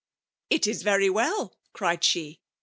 " It is very well," oried she.